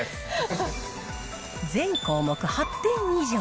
全項目８点以上。